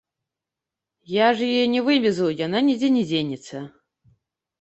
Я ж яе не вывезу, яна нідзе не дзенецца.